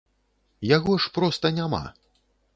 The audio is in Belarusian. Яго ж проста няма.